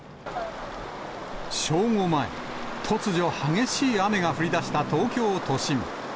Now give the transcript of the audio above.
正午前、突如、激しい雨が降りだした東京都心。